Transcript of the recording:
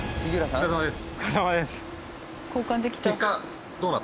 お疲れさまです。